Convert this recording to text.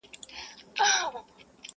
یو قاضي بل څارنوال په وظیفه کي,